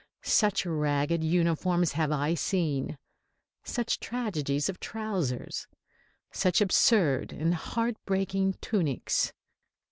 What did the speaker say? Such ragged uniforms as I have seen! Such tragedies of trousers! Such absurd and heart breaking tunics!